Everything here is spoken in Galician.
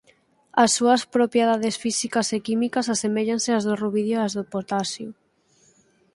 As súas propiedades físicas e químicas aseméllanse ás do rubidio e ás do potasio.